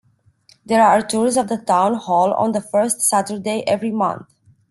There are tours of the town hall on the first Saturnday every month.